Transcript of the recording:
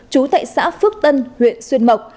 chú tại xã phước tân huyện xuân mộc